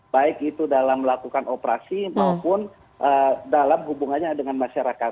baik itu dalam melakukan operasi maupun dalam hubungannya dengan masyarakat